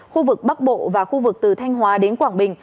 khu vực bắc bộ và khu vực từ thanh hóa đến quảng bình